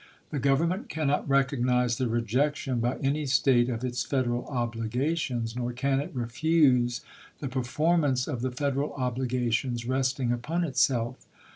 The Government cannot recognize the rejection by any State of its Federal obligations, nor can it refuse the per 390 ABRAHAM LINCOLN ch. XXII. formanee of the Federal obligations resting upon itself.